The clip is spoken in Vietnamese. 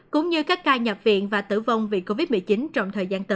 cũng như các ca nhập viện và tử viện